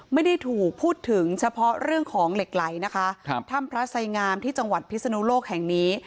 ไม่ได้ถูกพูดถึงเฉพาะเรื่องของเหล็กไหลนะคะครับถ้ำพระไสงามที่จังหวัดพิศนุโลกแห่งนี้